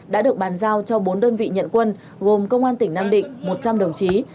đã được bàn giao cho bốn đơn vị nhận quân gồm công an tỉnh nam định một trăm linh đồng chí